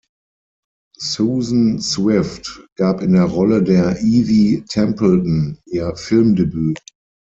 Susan Swift gab in der Rolle der Ivy Templeton ihr Filmdebüt.